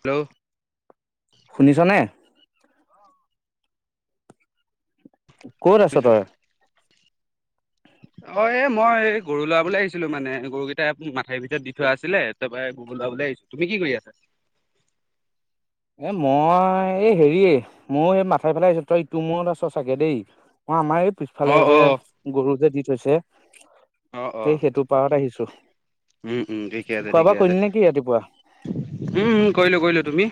Hello শুনিছনে কত আছ শুনিছোঁ তই অঁ এ মই গৰু লৰা বো আহিছিলো মানে গৰুকেইটাই মাথিৰ ভিতৰত দি থোৱা আছিলে তাৰ পৰা গ ওল আহিছো তুমি কি কৰি আছা [unintelligible] এ মই এই হেৰিয়ে ময়ো এই মাথাই ফেলাই আহিছো তই ইটো মূৰত আছ চাগে দেই মই আমাৰ ইাত পিছফালে অঁ যে অঁ গৰু যে দি থৈছে। সেই সেইটো পাৰত আহিছো। উম উম ঠিকে খোৱা বোৱা ঠিকে আছে কৰিলি নে কি ৰাতিপুৱা? উমম কৰিলো কৰিলো তুমি।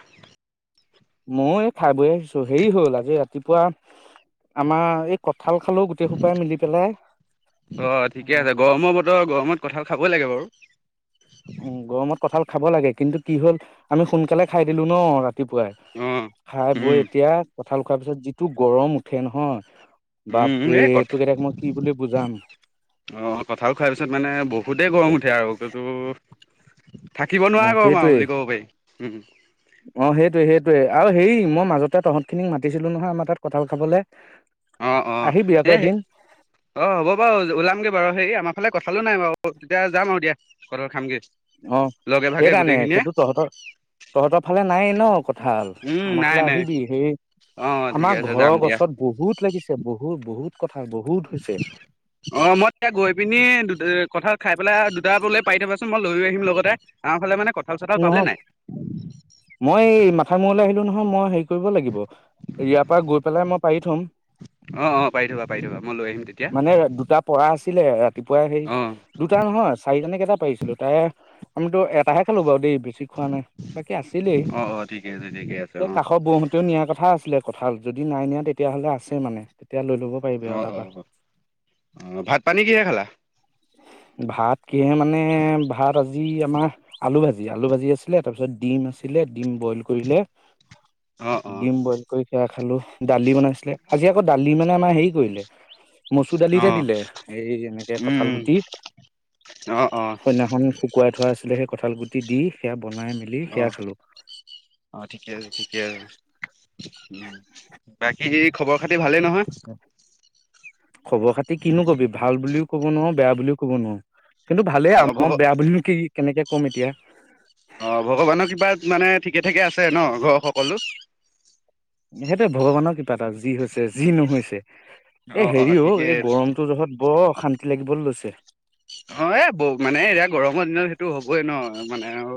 ময়ো এই খাই বৈ আহিছো হেৰি হল আজি ৰাতিপুৱা আমাৰ এই ক থঠাল খালে গোটেইসোপাই মিলি পেলাই অ ঠিকে আছে উম গৰমৰ বতৰ গৰমত কঁঠাল খাবই লাগে বাৰু। উ গৰমত কঠাল খাব লাগে কিন্তু কি হ'ল আমি সোনকালে খাই দিলো ন ৰাতি ৰাতিপুৱাই অঁ খাই বৈ এতিয়া কঠাল খোৱাৰ পিছত যিটো গৰম উঠে নহয় বাপৰে তোক এতিয়া মই কি বুলি বুজাম। অ কথাল খোৱাৰ পিছত মানে বহুতে গৰম উঠি আৰু কিন্তো থাকিব অ নোৱাৰা গৰম আৰু সেইটোৱে বুলি ক'ব পাৰি উম অ সেইটোৱে সেইটোৱে আৰু হেৰি মই মাজতে তহঁত খিনিক মাতিছিলো নহয় আমাৰ তাত কঁঠাল খাবলে। অ অ আহিবি আকৌ এই এদিন অ হ'ব বাৰু ওলামগে বাৰু হে আমাৰ ফালে কথালো নাই বাৰু তেতিয়া যাম আৰুতিয়া ঘৰৰ খামগে। অ সেইকাৰণে সেইটো তহঁতৰ তহঁতৰ ফালে নাই ন কঁঠাল? উম আমাৰ নাই ফাললে নাই আহিবি সেই অ ঠিকে আমাৰ আছে যাম ঘৰৰ দিয়া গছত বহুত লাগিছে বহুত বহুত কথা বহুত হৈছে অ মই তেতিয়া গৈ পিনি দু কঠাল খাই পেলাই দুটালৈ পাই থবাচোন মই লৈ আহিম লগতে আমাৰ ফালে মানে কঁঠাল চঠাল পাবলে নহয় নাই। মই এই মাথা মূৰলৈ আহিলো নহয় মই হেৰি কৰিব লাগিব ইয়াৰ পৰা গৈ পেলাই মই পাৰি থম। অ অ পাৰি থবা পাৰি থবা মই লৈ আহিম তেতিয়া মানে দুটা পঢ়া আছে ছিলে ৰাতিপুৱাই সেই অ দুটা নহয়! চাৰিটানে কেইটা পাৰিছিলো তাই আমিতো এটাে খালো বাৰু দেই বেছি খোৱা নাই বাকী আছিলেই অ অ ঠিকে আছে ঠিকে আছে সে অ কাষৰ বৌহতেও নিয়াৰ কথা আছিলে কথা যদি নাই নিয়া তেতিয়াহ'লে আছে মানে। এতিয়া লৈ ল'ব পাৰিবি অ আৰু অ তাৰপা। অ ভাত পানী কিহে খালা ভাত কিসে মানে ভাত আজি আমাৰ আলু ভাজি আলু ভাজি আছিলে, তাৰপিছত ডিম আছিল দিম বইল কৰিলে, অ অ ডিম বইল কৰি সেয়া খালো দালি বনাইছিলে আজি আকৌ দালি মানে আমাৰ হেৰি কৰিলে মচুৰ অ দালিতে দিলে এই এনেকে ক কঠাল উম গুটি অ অ সন্ন্যাসন শুকুৱাই থোৱা আছিলে সেই কঁঠাল গুটি দি সেয়া বনাই মেলি অ সেয়া খালো অ ঠিকে আছে, ঠিকে আছে। উ বাকী খবৰ খাতি ভালেই নহয়? খবৰ খাতি কিনো কবি ভাল বুলিও কব নোৱাৰো, বেয়া বুলিও কব নোৱাৰ, কিন্তু অ ভালেই আৰু ভগ মই বেয়া বুলিনো কি কেনেকে ক'ম এতিয়া। অ ভগৱানৰ ক্ৰিপাত মানে ঠিকে -থাকে আছে ন ঘৰৰ সকলো? সেইটোে ভগৱানৰ কিষাণ আৰু‌ যি হৈছে যি নহৈছে। অ এই অ হেৰিও এই ঠিকে গৰমটো জোখত বৰ অশান্তি লাগিবলৈ লৈছে। অ এ বৌক মানে এয়া গৰম ক দিনত সেইটো হ'বই ন মানে আৰু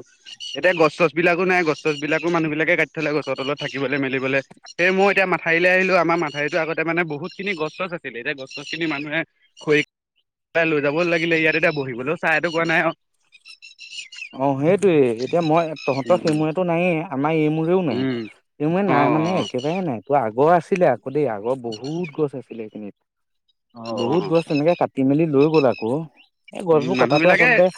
এতিয়া গছ বিলাকো নাই'ন গছ- গছ বিলাকো মানুহ বিলাকে কাটি থলে গছৰ তলত থাকিবলৈ মেলিবলৈ সেই মই এয়া মঠাউৰিলৈ আহিলো আমাৰ মাঠউৰিতো আগতে মানে বহুত খিনি গছ- চছ আছিল। এতিয়া গছ চছ খিনি মানুহে খৰি লৈ যাব লাগিলে ইয়াত এতিয়া বহিবলৈও চাহ এটোকোৰা নাই অ অ সেইটোয়ে। এতিয়া মই তহঁত উম সিমূৰেতো নাইয়ে আমাৰ এই মূ ৰেও উম নাই নাই অ' মানে অ' একেবাৰে নাই ত আগৰ আছিলে আকৌ দেই আগৰ বহুত গছ আছিলে এইখিনিত। অ' বহুত অ' গছ তেনেকে কাটি মেলি লৈ গ'ল আকৌ এই উম গছবোৰ মানুহ কতাটো বিলাকে আচলতে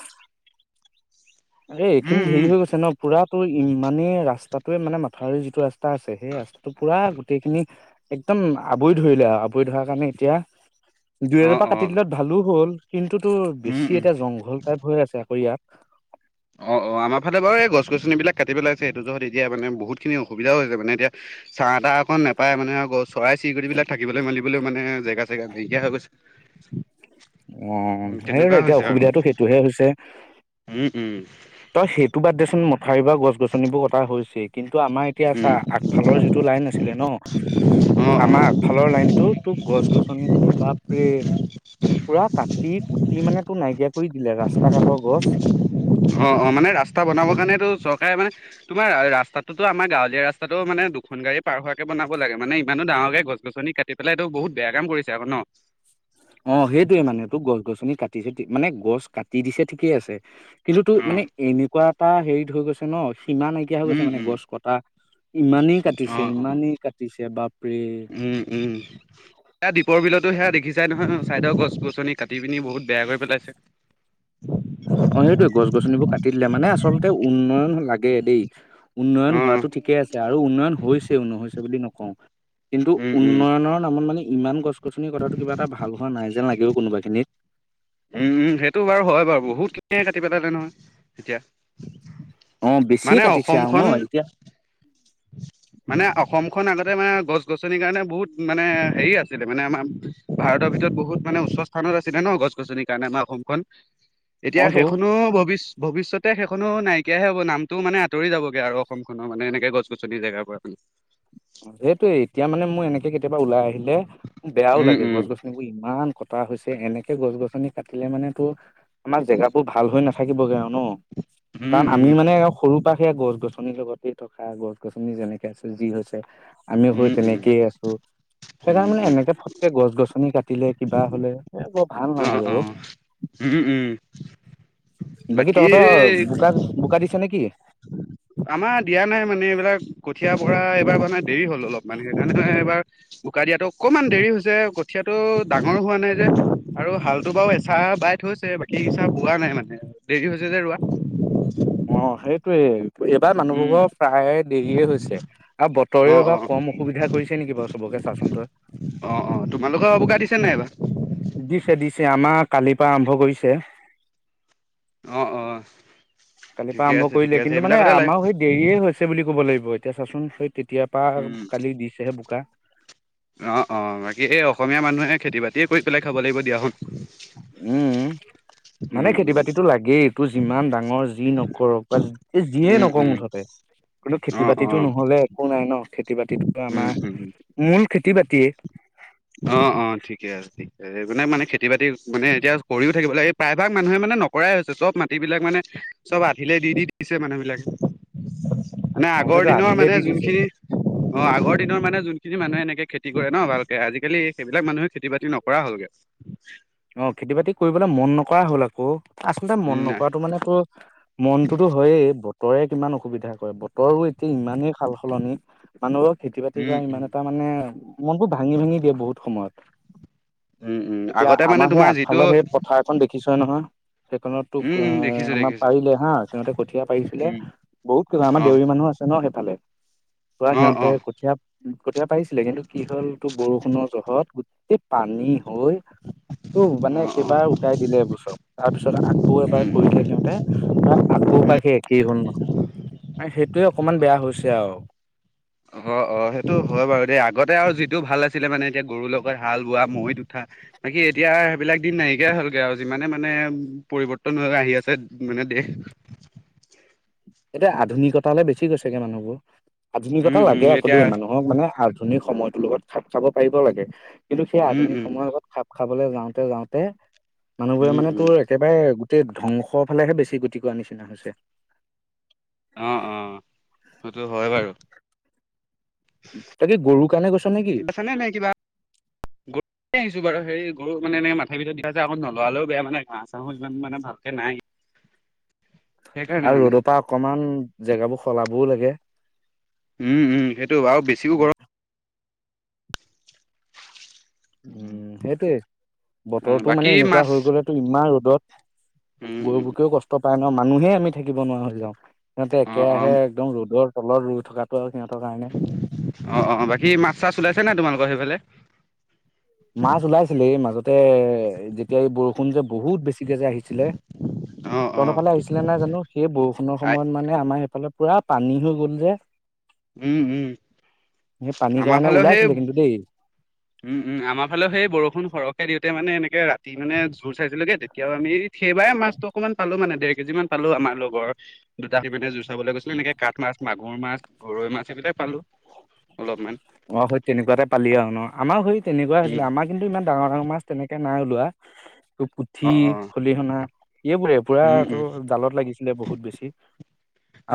এই এইখিনি উম ধেৰি উম হৈ গৈছে ন পুৰা ইমানেই ৰাস্তটোৱে মানে মাথাউৰি যিটো ৰাস্তা আছে সেই ৰাস্তাটো পুৰা গোটেই খিনি একদম ম আৱৰি ধৰিলে আৰু আৱৰি ধৰাৰ কাৰণে এতিয়া দুই অ' এজোপা কাটি অ' দিলত ভালো হ'ল কিন্তু তো উম বেছি উম এতিয়া জংঘল টাইপ হৈ আছে আকৌ ইয়াত। অ অ আমাৰ ফালে বাৰু এই গছ গছনিবিলাক কাটি পেলাইছে সেইটো য'ত এতিয়া মানে বহুতখিনি অসুবিধাও হৈছে মানে এতিয়া চাহ তাহ অকন নেপায় মানে গছ চৰাই চিৰিকটি বিলাক থাকিবলৈ মেলিবলৈ মানে জেগা চেগা নেইকিয়া হৈ গৈছে। অ উম সেই তেনেকুৱা এতিয়া হৈছে আৰু অসুবিধাটো সেইটোহে হৈছে। উম উম ঠাৰ বা গছ গছনিবোৰ কটা হৈছে কিন্তু আমাৰ এতিয়া আছা উম আগফালৰ যিটো লাইন আছিলে ন অ আমাৰ আগফালৰ লাইনতো তোক গছ গছনি খিনি বাফিৰি পুৰা কাটি কুটি মানে তোৰ নাইকিয়া কৰি দিলে ৰাস্তা কাষৰ গছ অ অ মানে ৰাস্তা বনাবৰ কাৰণেটো চৰকাৰে মানে তোমাৰ ৰাস্তাটো আমাৰ গাঁৱলীয়া ৰাস্তাটো মানে দুখন গাড়ী পাৰ হোৱাকে বনাব লাগে। মানে ইমানো ডাঙৰকে গছ গছনি কাটি পেলাই এইটো বহুত বেয়া কাম কৰিছে আকৌ ন অ সেইটোয়ে মানে টো গছ গছনি কাটিছে মানে গছ কাটি দিছে ঠিকেই আছে। কিন্তু তো অ মানে এনেকুৱা এটা হেৰিত হৈ গৈছে ন সীমা নাইকিয়া হৈ গৈছে উম মানে উম গছ কটা ইমানেই অ কাটিছে অ ইমানেই কাটিছে বা উম উম সেয়া দ্বীপৰ বিলতো সেয়া দেখি যাই নহয় চাইদৰ গছ গছনি কাট কাটি পিনি বহুত বেয়া কৰি পেলাইছে। অ সেইটোয়ে গছ গছনিবোৰ কাটি দিলে মানে আচলতে উন্নয়ন লাগে দেই। অ', উন্নয়ন উম, হোৱাটো ঠিকেই আছে আৰু উন্নয়ন হৈছেও নহৈছে বুলি নকওঁ। কিন্তু উম, উন্নয়নৰ নামত মানে ইমান গছ গছনিৰ কতাটো কিবা এটা ভাল হোৱা নাই যেন লাগিব কোনোবা খিনিত। উম উম সেইটো বাৰু হয় বাৰু বহুতখিনিয়ে কাটি পেলালে নহয় এতিয়া। অ বেছিয়ে মানে কাটিছে আহ ন অসমখন এতিয়া মানে অসমখন আগতে মানে গছ গছনিৰ কাৰণে বহুত মানে হেৰি আছিলে মানে আমাৰ ভাৰতৰ বহুত মানে উচ্চ স্থানত আছিলে ন গছ গছনিৰ কাৰণে আমাৰ অসমখন অ এতিয়া তো সেইখনো ভৱিষ্য- ভৱিষ্যতে সেইখনো নাইকিয়াহে হ'ব নামটো মানে আতৰি যাব গে আৰু অসমখনৰ মানে এনেকে গছ চুটি জেগা পৰা সেইটোয়ে এতিয়া মানে মোৰ এনেকে কেতিয়াবা ওলাই আহিলে মোক বেয়াও উম, লাগে উম, গছ গছিনিবোৰ ইমান কটা হৈছে এনেকে গছ গছনি কাটিলে মানে তো আমাৰ জেগাবোৰ ভাল হৈ নাথাকিবগে আৰু ন উম, কাৰণ আমি উম, মানে সৰু পৰা সেই গছ গছনিৰ লগতে থকা গছ গছনি যেনেকে আছে যি হৈছে আমিও হৈ উম, উম, উম, তেনেকেই আছো সেইকাৰ উম, মানে উম, এনেকে ফটকে গছ গছনি কাটিলে কিবা হলে এ বৰ ভাল অ নালাগে অ উম উম উম বাকী তহঁতৰ বোকা বোকা দিছে নেকি? আমাৰ দিয়া নাই মানে এইবিলাক কঠীয়া পৰা এইবাৰ মানে দেৰি হল অলপমান সেইকাৰণে এইবাৰ উকা দিয়াতো অকমান দেৰি হৈছে কঠিয়াটো ডাঙৰ হোৱা নাই যে আৰু হালটো বাৰু এচা- বাই থৈ হৈছে বাকী ইচা বোৱা নাই মানে দেৰি হৈছে যে ৰোৱা অ সেইটোৱে এইবাৰ উম। মানুহবোৰৰ প্ৰায় দেৰিয়ে হৈছে আৰু অ বতৰেও অ এবাৰ কম অসুবিধা কৰিছে নেকি বাৰু চবকে চাওচোন তই অ অ তোমালোকৰ অৱকা দিছে নাই দিছে এইবাৰ দিছে আমাৰ কালিৰ পৰা আৰম্ভ কৰিছে। অ - অ। কালিৰ পৰা ঠিকে আৰম্ভ আছে ঠিকে কৰিলে আছে কিন্তু মানে এইবিলাকতে লাগে। আমাৰ সেই দেৰিয়ে হৈছে বুলি ক'ব লাগিব এতিয়া চাচোন সেই তেতিয়াৰ পৰা উম। কালি দিছেহে বোকা অ - অ বাকী এই অসমীয়া মানুহে খেতি বাতিয়ে কৰি পেলাই খাব লাগিব দিয়া উম মানে উম খেতি উম বাতিতটো লাগেই এইটো যিমান ডাঙৰ যি নকৰক বা এই যিয়ে উম নকৰও উম মুঠতে কিন্তু খেতি অ অ বাতিতো নহলে একো নাই ন। খেতি বাতিত উম আমাৰ উম মূল খেতি বাতিয়ে। অ - অ ঠিকে আছে ঠিকে আছে মানে- মানে খেতি বাতি মানে এতিয়া কৰিও থাকিব লাগে প্ৰায়ভাগ মানুহে মানে নকৰাই হৈছে চব মাটি বিলাক মানে চব আধিলে দি - দি দিছে মানুহ বিলাকে। [inaudible] মানে আগৰ সেইটো দিনৰ আধিলে মানে দি দিছে যোনখিনি অ, আগৰ দিনৰ মানে যোনখিনি মানুহে এনেকে খেতি কৰে ন ভাল। আজিকালি সেইবিলাক মানুহে খেতি বাতি নকৰা হ'লগৈ। অ, খেতি বাতি কৰিবলৈ মন নকৰা হ'ল আকৌ। আচলতে মন উম, নাই নকৰাটো মানে মনতোতো হয়েই। বতৰে কিমান অসুবিধা কৰে বতৰো এতিয়া ইমানেই সাল সলনি মানুহক খেতি বাতি উম, কৰা উম, ইমান এটা মানে মন বোৰ ভাঙি - ভাঙি দিয়ে বহুত সময়ত। উম - উম এতিয়া আগতে। মানে আমাৰ সেই তোমাৰ যিটো আগফালৰ সেই পথাৰ এখন দেখিছই নহয়। সেইখনত তোক উম, অ উম, দেখিছোঁ আমাৰ দেখিছোঁ পাৰিলে হা সিহতে কঠীয়া পাৰিছিলে উম, বহুত ক আমাৰ অ', দেউৰী মানুহ আছে নেই পালে বাোৱা অ', সিহতে অ', কঠীয়া - কঠীয়া পাৰিছিলে কিন্তু কি হ'ল তটো বৰষুণৰ জহত গোটেই পানী হৈ টো মানে অ', অ', সেইবাৰ উটাই দিলে এইবোৰ চব তাৰ পিছত আকৌ এবাৰ উম, কৰিলে উম। সিহতে কো পাখি একেই হ'ল নহয় সেইটোৱেই অকমান বেয়া হৈছে আৰু অ - অ সেইটো হয় বাৰু দ আগতে আৰু যি সেতোয়েও ভাল আছিলে মানে এতিয়া গৰুৰ লগত হাল বোৱা মৈত উঠা বাকি এতিয়া সেইবিলাক দিন নাইকিয়াই হলগৈ আৰু মানে - মানে পৰিৱৰ্তন হৈ আহি আছে মানে দেহ উম, এতিয়া আধুনিকত হালে বেছি গৈছেগে মানুহবোৰ আধুনিকতা উম, লাগে উম, আকৌ এতিয়া দেই মানুহক মানে সময়তৰ লগত খাপ খাব পাৰিব লাগে কিন্তু সেই উম, আধুনিক উম, সময়ৰ লগত খাপ খ খাবলৈ যাওতে - যাওতে মানুহবোৰে উম, মানে উম, তোৰ একেবাৰে প্ৰ ধ্বংসৰ ফালেহে বেছি গতি কৰা নিচিনা হৈছে। অ - অ সেইটো হয় বাৰু। তই কি গৰুৰ কাৰণে গৈছ নেকি? ছানে নাই কিবা গ আহিছো বাৰু। হেৰি গৰু মানে এনে মথাাৰ ভিতৰত দিবা যায় আকৌ নলালেও বেয়া মানে ঘাহ চাহো ইমান মানে ভালকে নাই। সেইকাৰণে আৰু মানে ৰ'দৰ পৰা অকমান জেগাবোৰ সলাবও লাগে। উম - উম সেইটো আৰু বেছিকো গৰম উম, সেইটোৱে অ বতৰটো বাকী মানে এনেকুৱা মাছ হৈ গলেতো ইমান ৰ'দত উম, গৰু উম, পকেও কষ্ট পায় ন মানুহে আমি থাকিব নোৱাৰা হৈ যাও। সিহতে অ', একেৰাহে অ', একদম ৰ'দৰ তলত ৰই থকাটো আৰু সিহঁতৰ কাৰণে অ - অ বাকী মাছ চাছ ওলাইছে নে তোমালোকৰ সেইফালে মাছ ওলাইছিলে এই মাজতে এ যেতিয়া এই বৰষুণ যে বহুত বেছি। যে আহিছিলে অ তহ অ ফালে আহিছিলে নাই জানো সেই বৰষুণৰ আই সময়ত মানে আমাৰ সেইফালে পুৰা পানী হৈ গ'ল যে। উম - উম সেই পানীৰ আমাৰ কাৰণে ফালেও সেই ওলাইছিলে কিন্তু দেই উম - উম। আমাৰ ফালে সেই বৰষুণ সৰ দিওঁতে মানে এনেকে ৰাতি মানে জোৰই চাইছিলো গে কেতিয়াও আমি সেইবাৰে মছতটো অকমান পালো মানেৰ কেজি মান পালো। আমাৰ লগৰ দুটা সি মানে যুই চাবলৈ গৈছিলে এনেকে কাঠ মাছ মাগুৰ মাছ গৰৈ মাছ এইবটাই পালো অলপমান ম সেই তেনেকুৱাতে পালি আৰু ন আমাৰ সৰি তেনেকুৱা হৈছিলে উম আমাৰ কিন্তু ইমানাৰ ডাঙৰ মাছ তেনেকে নাই ওলোৱা অ পুঠি অ খলিহনা এইবোৰে পুৰা উম টো উম জালত লাগিছিলে বহুত বেছি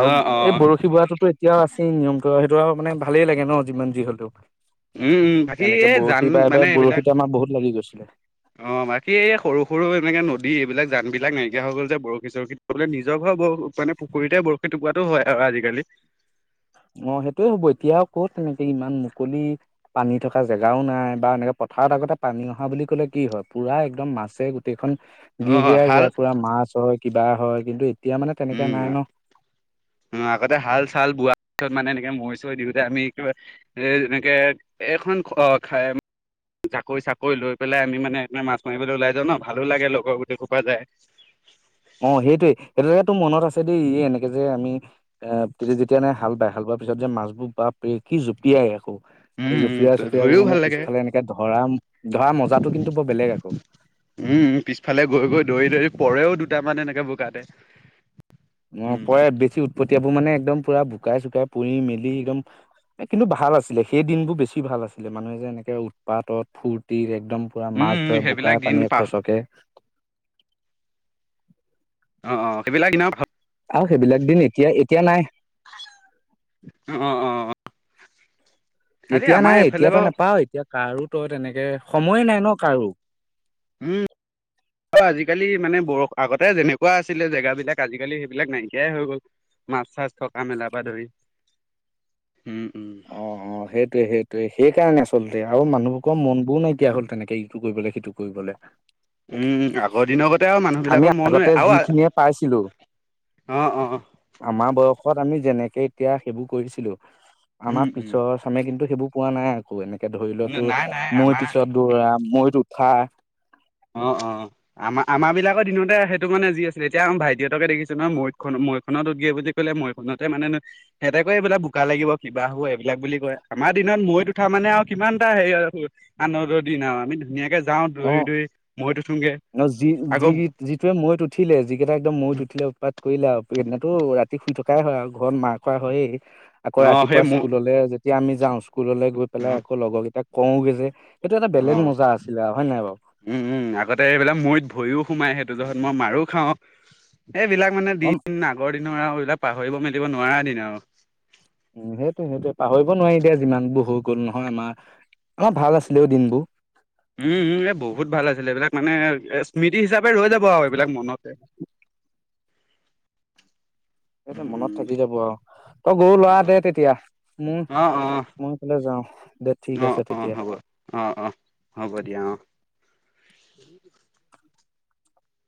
আৰু অ অ এই বৰশী বোৱাতোতো এতিয়াও আছেই নিয়ম ত সেইটো আৰু মানে ভালেই লাগে ন যিমান যি হলেও উম উম বাকী তেনেকে এই জান বৰশী পাই বাই মানে এইবিলাক বৰশীত আমাৰ বহুত লাগি গৈছে অ বাকী এই সৰু সৰু এনেকে নদী এইবিলাক যান বিলাক নাইকিয়া হৈ গ'ল যে বৰশী চৰখীলে নিজৰ ঘৰ ব মানে পুখুৰীতে বৰশী টুকুৰাটোৰ হয় আৰু আজিকালি [unintelligible] অঁ সেইটোয়ে হ'ব এতিয়া কত তেনেকে ইমান মুকলি পানী থকা জেগাও নাই বা এনেকে পথাৰত আগতে পানী অহা বুলি ক'লে কি হয় পুৰা একদম মাছে গোটেইখন অ গিৰগিৰাই হাল যায় পুৰা মাছ হয় কিবা হয় কিন্তু এতিয়া মানে তেনেকে উম নাই ন আগতে হাল চাল বোৱাই মানে এনেকে মৈ চৰি দিওঁতে আমি কিবা এ এনেকে এখন খাই জাকৈ চাকৈ লৈ পেলাই আমি মানে এক মাছ মাৰিবলৈ ওলাই যাওঁ ন ভালো লাগে লগৰ গোতে খোপাই যায় অ সেইটোয়ে সেইটো তোৰ মনত আছে দেই এই এনেকে যে আমি এ তেতিয়া যেতিয়া হাল বায় হাল বোৱাৰ পিছত যে মাছবোৰ বাপ ৰে কি জঁপিয়াই আকৌ এই উম, উম, জুপিয়া চুপিয়াবোৰ ধৰিও ভাল মানে লাগে পিছফালে এনেকে ধৰা ধৰা মজাটো কিন্তু বৰ বেলেগ আকৌ উম পিছফালে গৈ গৈ দৌৰি দৌৰি পৰেও দুটামান এনেকে বোকাতে অ উম, পৰে বেছি উৎপটিয়াবোৰ মানে একদম পুৰা বোকাই চকাই পুৰি মেলি একদম কিন্তু ভাল আছিলে সেই দিন বোৰ বেছি ভাল আছিলে মানুহে যে এনেকে উৎপাতত ফূৰ্তি একদম পুৰা উম, মাছ উম, ধৰে সেইবিলাক বোকাই দিন পানীয়ে পাহ গচকে অ অ সেইবিলাক ইনেও ভাল আৰু সেইবিলাক দিন এতিয়া এতিয়া নাই অ অ অ খালি এতিয়া আমাৰ নাই এইফালে এতিয়াতো বাৰু নাপাও এতিয়া কাৰো তো তেনেকে সময়ে নাই ন কাৰো উম অ আজিকালি মানে বৰ আগতে যেনেকুৱা আছিলে জেগাবিলাক আজিকালি সেইবিলাক নাইকিয়াই হৈ গ'ল মাছ চাছ থকা মেলা পা ধৰি উম উম। অ', অ', সেইটোৱে সেইটোৱে সেইকাৰণে আচলতে আও মানুহবোৰৰ মন বোৰ নাইকিয়া হ'ল তেনেকে ইটো কৰিবলে সিটো কৰিবলে উম আগৰ দিনৰ কতে আও আমি মানুহবিলাকৰ মন আগতে যিখিনিয়ে পাইছিলোঁ আউ অ অ ত আমি যেনেকে এতিয়া সেইবোৰ কৰিছিলো উম আমাৰ পিছৰ উম চামে কিন্তু সেইবোৰ পোৱা নাই আকৌ এনে তাকে ধৰি ল তোৰ নাই নাই মৈ আমাৰ পিছত দৌৰা মৈত উঠা অ অ আমাৰ আমাৰ বিলাকৰ দিনতে সেইটো মানে যি আছিলে এতিয়া আমাৰ ভাইটিহতকে দেখিছো নহয় মইতখন মৈ খনত উঠগে বুলি কলে মৈখনতে মানে হেতে এইবিলাক বোকা লাগিব কিবা হব এইবিলাক বুলি কয় আমাৰ আৰ দিনত মৈইত উঠা মানে আও কিমান এটা হেৰি আৰু আনন্দৰ দিন আও আমি ধুনীয়াকে যাওঁ অ', দৌৰি দৌৰি মৈত উঠোগে ন যি যি আকৌ যিটোৱে মৈত উঠিলে যিকেইটা একদম মৈত উঠিলে উৎপাত কৰিলে আও সেইদিনাতো ৰাতি শুই থকাই হয় আৰু ঘৰত মাৰ খোৱা হয়েই আকৌ অ সেই ৰাতিপুৱা ম স্কুললে যেতিয়া আমি যাওঁ স্কুললৈ গৈ অ পেলাই আকৌ লগৰকেইটাক কওগে যে এইটো এটা অ বেলেগ মজা আছিলে আও হয় নাই বাউ উম উম আগতে এইবিলাক মৈত ভৰিও সোমাই সেইটো জহত মই মাৰো খাও এইবিলাক মানে অ দিন আগৰ দিন নোৱাৰা এইবিলাক পাহৰিব মেলিব নোৱাৰা এ দিন আউ উ সেইটোয়ে সেইটোয়ে পাহৰিব নোৱাৰি এতিয়া যিমান বোৰ হৈ গল নহয় আমাৰ আমাৰ ভাল আছিলেও দিনবোৰ উম উম এ বহুত ভাল আছিলে এইবিলাক মানে এ স্মৃতি হিচাপে ৰৈ যাব আও এইবিলাক মনতে তাকে উম, মনত উম, থাকি যাব আও অ গৰু লৰা দে তেতিয়া মোৰ অ', অ', মই এইফালে যাও দে অ', অ', ঠিক অ', আছে অ', তেতিয়া। হ'ব অ অ হ'ব দিয়া অ